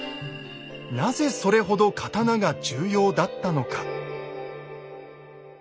なぜそれほど刀が重要だったのか。